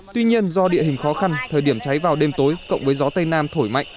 tuy nhiên do địa hình khó khăn thời điểm cháy vào đêm tối cộng với gió tây nam thổi mạnh